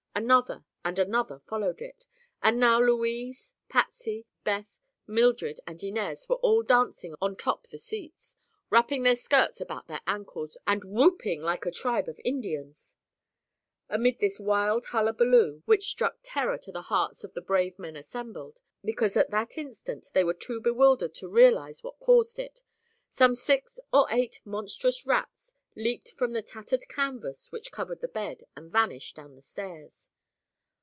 Another and another followed it, and now Louise, Patsy, Beth, Mildred and Inez were all dancing on top the seats, wrapping their skirts about their ankles and whooping like a tribe of Indians. Amid this wild hullabaloo, which struck terror to the hearts of the brave men assembled, because at the instant they were too bewildered to realize what caused it, some six or eight monstrous rats leaped from the tattered canvas which covered the bed and vanished down the stairs.